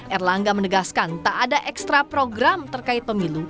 erlangga menegaskan tak ada ekstra program terkait pemilu